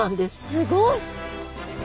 すごい。